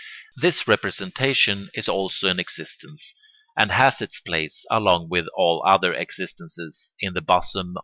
This representation is also an existence and has its place along with all other existences in the bosom of nature.